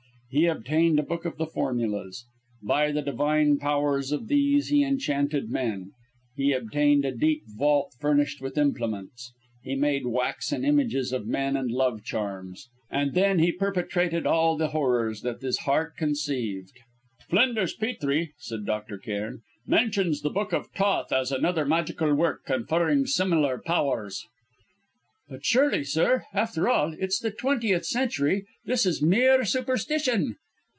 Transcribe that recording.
He obtained a book of the Formulas.... By the divine powers of these he enchanted men. He obtained a deep vault furnished with implements. He made waxen images of men, and love charms. And then he perpetrated all the horrors that his heart conceived." "Flinders Petrie," said Dr. Cairn, "mentions the Book of Thoth as another magical work conferring similar powers." "But surely, sir after all, it's the twentieth century this is mere superstition!"